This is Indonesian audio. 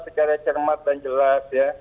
secara cermat dan jelas